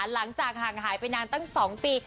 หลังจากห่างหายไปนานตั้ง๒ปี